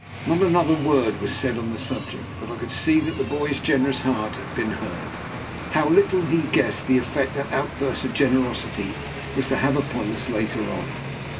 Not another word was said on the subject, but I could see that the boy's generous heart had been hurt. How little he guessed the effect that outburst of generosity was to have upon us later on!